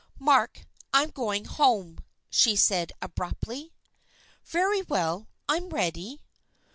"Mark, I am going home," she said, abruptly. "Very well, I'm ready."